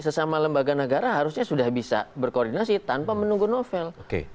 sesama lembaga negara harusnya sudah bisa berkoordinasi tanpa menunggu novel